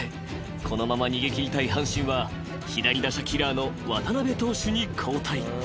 このまま逃げ切りたい阪神は左打者キラーの渡邉投手に交代］